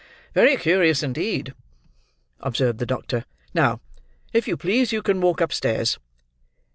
"Very curious, indeed," observed the doctor. "Now, if you please, you can walk upstairs."